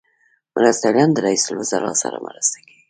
مرستیالان د رئیس الوزرا سره مرسته کوي